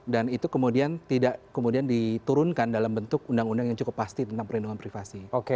dan itu kemudian diturunkan dalam bentuk undang undang yang cukup pasti tentang perlindungan privasi